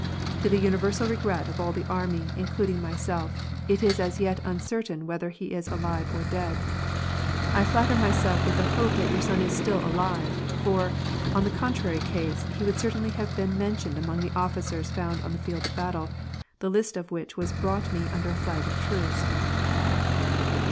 To the universal regret of all the army, including myself, it is as yet uncertain whether he is alive or dead. I flatter myself with the hope that your son is still alive, for, in the contrary case, he woiud certainly have been mentioned among the officers found on the field of battle, the list of which was brought me under flag of truce."